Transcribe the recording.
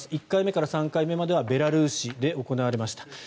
１回目から３回目まではベラルーシで行われました。